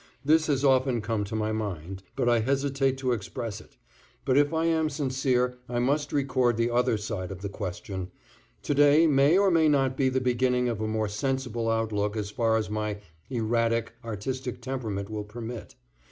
This has often come to my mind, but I hesitated to express it; but if I am sincere I must record the other side of the question. To day may or may not be the beginning of a more sensible outlook as far as my erratic, artistic temperament will permit.